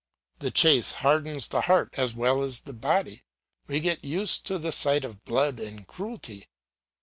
The chase hardens the heart a well as the body; we get used to the sight of blood and cruelty.